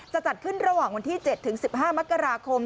จัดขึ้นระหว่างวันที่๗๑๕มกราคม